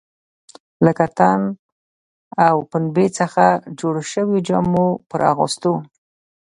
له کتان او پنبې څخه جوړو شویو جامو پر اغوستو.